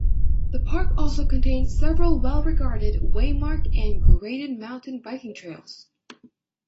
The park also contains several well regarded, waymarked and graded mountain biking trails.